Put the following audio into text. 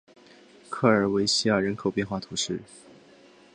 科尔韦西亚人口变化图示